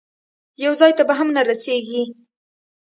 یو ځای ته به هم نه رسېږي.